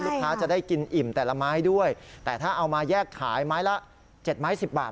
จะได้กินอิ่มแต่ละไม้ด้วยแต่ถ้าเอามาแยกขายไม้ละ๗ไม้๑๐บาท